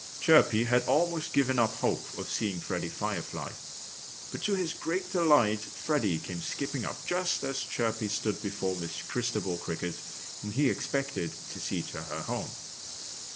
Chirpy had almost given up hope of seeing Freddie Firefly. But to his great delight Freddie came skipping up just as Chirpy stood before Miss Christabel Cricket, whom he expected to see to her home.